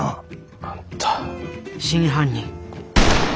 あんた。